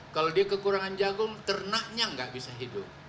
kalau dia kekurangan jagung ternaknya nggak bisa hidup